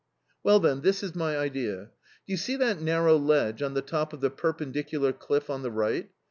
"Well, then, this is my idea. Do you see that narrow ledge on the top of the perpendicular cliff on the right?